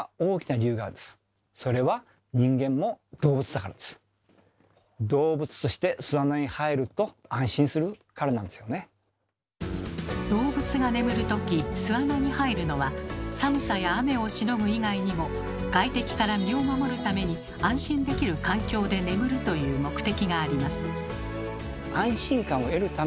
それは動物が眠るとき巣穴に入るのは外敵から身を守るために安心できる環境で眠るという目的があります。